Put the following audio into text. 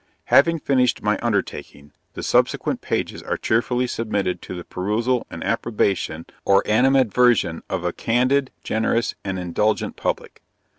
Having finished my undertaking, the subsequent pages are cheerfully submitted to the perusal and approbation or animadversion of a candid, generous and indulgent public.